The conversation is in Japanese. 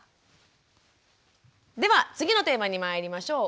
では次のテーマにまいりましょう。